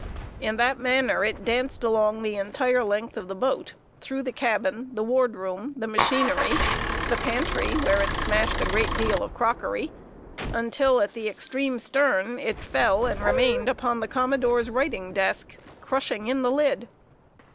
In that manner it danced along the entire length of the boat, through the cabin, the ward room, the machinery, the pantry where it smashed a great deal of crockery until, at the extreme stern, it fell and remained upon the commodore's writing desk, crushing in the lid.